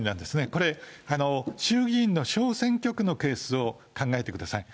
これ、衆議院の小選挙区のケースを考えてください。